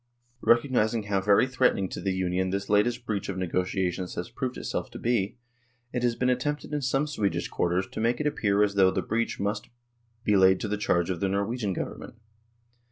Recognising how very threatening to the Union this latest breach of negotiations has proved itself to be, it has been attempted in some Swedish quarters to make it appear as though the breach must be laid to the charge of the Norwegian Government.